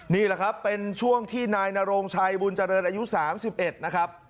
นี่แหละครับเป็นช่วงที่นายนโรงชัยบุญเจริญอายุ๓๑นะครับ